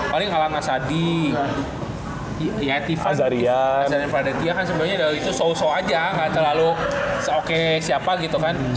paling kalah ngasadi tivan azarian pradetya kan sebenarnya itu so so aja nggak terlalu oke siapa gitu kan